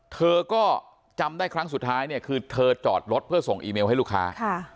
เธอก็จำได้ครั้งสุดท้ายเนี่ยคือเธอจอดรถเพื่อส่งอีเมลให้ลูกค้า